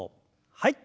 はい。